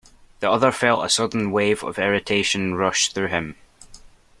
The other felt a sudden wave of irritation rush through him.